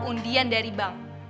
undian dari bang